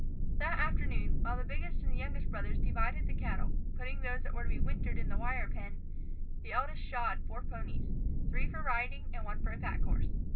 That afternoon, while the biggest and the youngest brothers divided the cattle, putting those that were to be wintered into the wire pen, the eldest shod four ponies, three for riding and one for a pack horse.